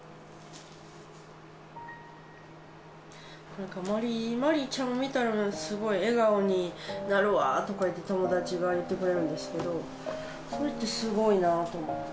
なんかまりいちゃんを見たらすごい笑顔になるわー、とかって友達が言ってくれるんですけど、それってすごいなと思って。